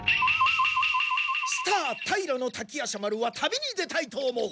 スター平滝夜叉丸は旅に出たいと思う。